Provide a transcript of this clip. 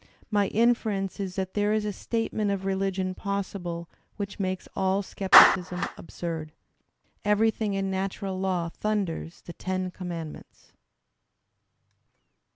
My inference is that there is a statement of reUgion possible which makes all scepticism absurd." "Everything in natural law thunders the Ten Commandments."